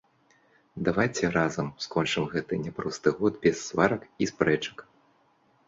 Давайце разам скончым гэты няпросты год без сварак і спрэчак.